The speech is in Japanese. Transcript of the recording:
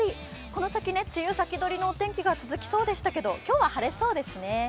この先、梅雨先取りの天気が続きそうでしたけど、今日は晴れそうですね。